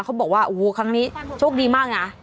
เขาบอกว่าโอ้โหครั้งนี้โชคดีมากนะ